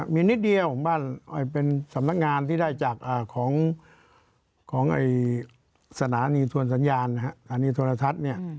มีนิดเดียวของบ้านเป็นสำนักงานที่ได้จากสนานีทวนสัญญาณสนานีทวนละทัศน์